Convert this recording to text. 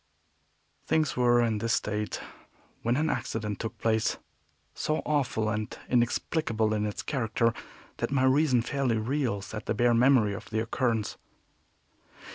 Things were in this state when an accident took place so awful and inexplicable in its character that my reason fairly reels at the bare memory of the occurrence.